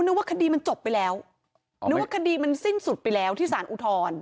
ว่าคดีมันจบไปแล้วนึกว่าคดีมันสิ้นสุดไปแล้วที่สารอุทธรณ์